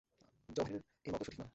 জওহারীর এ মতও সঠিক নয়।